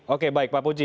oke baik pak puji